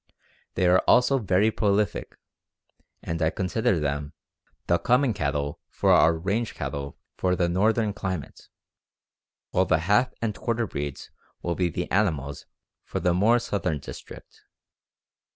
They are also very prolific, and I consider them the coming cattle for our range cattle for the Northern climate, while the half and quarter breeds will be the animals for the more Southern district.